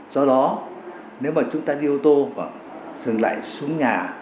do đó nếu mà chúng ta đi ô tô dừng lại xuống nhà